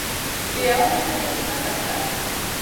چې يوه وروځه یې اوچته کړه